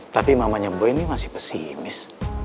tapi mamanya boy ini masih pesimis